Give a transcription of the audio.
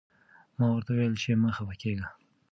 ما ورته وویل چې مه خفه کېږه.